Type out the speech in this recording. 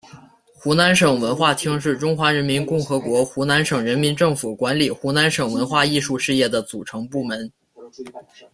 湖南省文化厅是中华人民共和国湖南省人民政府管理湖南省文化艺术事业的组成部门。